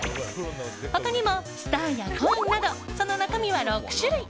他にも、スターやコインなどその中身は６種類。